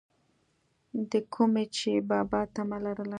دَکومې چې بابا طمع لرله،